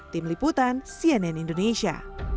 tim liputan cnn indonesia